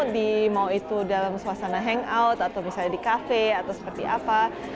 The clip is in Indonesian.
di mau itu dalam suasana hangout atau misalnya di kafe atau seperti apa